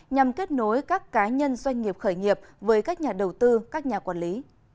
nhằm kết nối các cá nhân doanh nghiệp khởi nghiệp với các nhà đầu tư các nhà quản lý